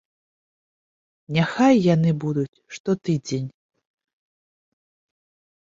Няхай яны будуць штотыдзень!